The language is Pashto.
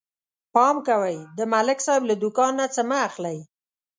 پام کوئ د ملک صاحب له دوکان نه څه مه اخلئ